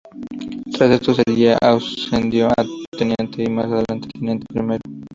Tras esto, seria ascendido a Teniente y más adelante a Teniente primero.